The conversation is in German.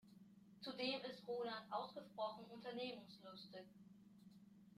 Zudem ist Roland ausgesprochen unternehmungslustig.